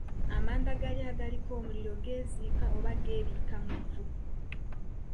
Amanda gali agaliko omuliro geeziika oba geebikka mu vvu.